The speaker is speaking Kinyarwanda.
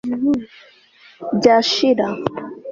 byashira